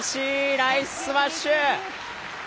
ナイススマッシュ。